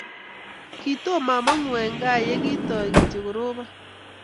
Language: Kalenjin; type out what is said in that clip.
Kitoma amangu eng gaa ye kitoi kityo koropan